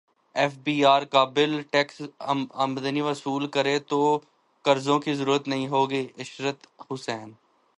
F B R قابل tax امدنی وصول کرے تو قرضوں کی ضرورت نہیں ہوگی عشرت حسین